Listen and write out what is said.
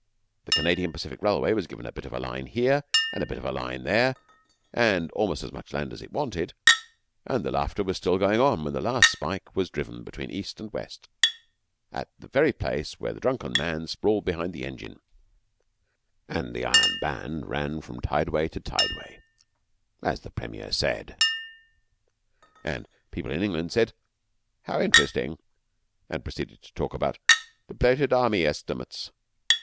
The Canadian Pacific Railway was given a bit of a line here and a bit of a line there and almost as much land as it wanted, and the laughter was still going on when the last spike was driven between east and west, at the very place where the drunken man sprawled behind the engine, and the iron band ran from tideway to tideway as the Premier said, and people in England said 'How interesting,' and proceeded to talk about the 'bloated Army estimates.'